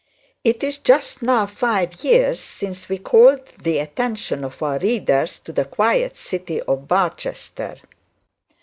"It is just now five years since we called the attention of our readers to the quiet city of Barchester.